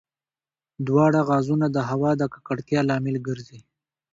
دواړه غازونه د هوا د ککړتیا لامل ګرځي.